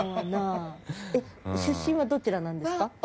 出身はどちらなんですか？